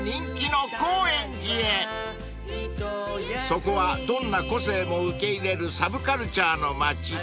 ［そこはどんな個性も受け入れるサブカルチャーの町］